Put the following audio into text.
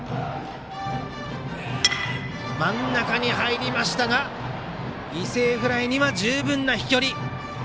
真ん中に入ったが犠牲フライには十分な飛距離。